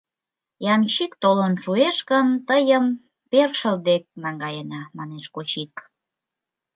—Ямщик толын шуэш гын, тыйым першыл дек наҥгаена, — манеш Кочик.